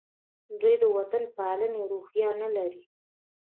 دوی د وطن پالنې روحیه نه لري.